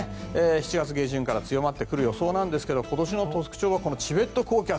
７月下旬から強まってくる予想ですが今年の特徴はこのチベット高気圧。